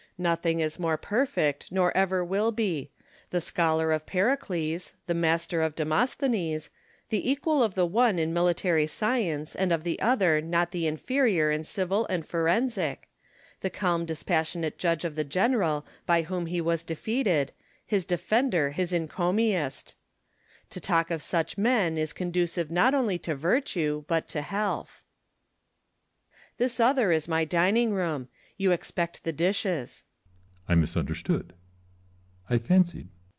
Nothing is more perfect, nor ever will be : the scholar of Pericles, the master of Demosthenes, the equal of the one in military science, and of the other not the inferior in civil and forensic ; the calm dispas sionate judge of the general by whom he was defeated, his defender, his encomiast. To talk of such men is conducive not only to virtue but to health. This other is my dining room. You expect the dishes. Ccesa/r. I misunderstood — I fancied LUCULLUS AND C^SAR. 269 Lticulliis.